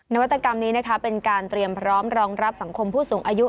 นวัตกรรมนี้นะคะเป็นการเตรียมพร้อมรองรับสังคมผู้สูงอายุ